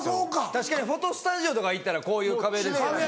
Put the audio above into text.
確かにフォトスタジオとか行ったらこういう壁ですよね。